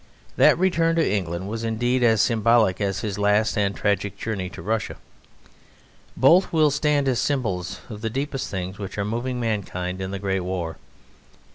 That return to England was indeed as symbolic as his last and tragic journey to Russia. Both will stand as symbols of the deepest things which are moving mankind in the Great War.